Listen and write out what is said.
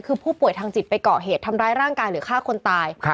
คือผู้ป่วยทางจิตไปเกาะเหตุทำร้ายร่างกายหรือฆ่าคนตาย